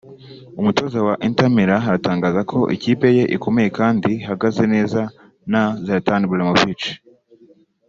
umutoza wa Inter Milan aratangaza ko ikipe ye ikomeye kandi ihagaze neza nta Zlatan Ibrahimovic